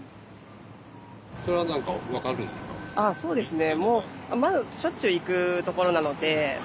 ああそうですね。